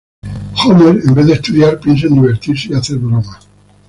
Homer, en vez de estudiar, piensa en divertirse y hacer bromas.